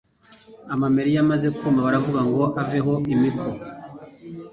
amamera iyo amaze kuma, baravunga ngo aveho imiko